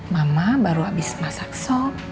mama baru habis masak sop